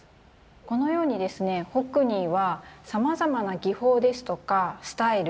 このようにですねホックニーはさまざまな技法ですとかスタイル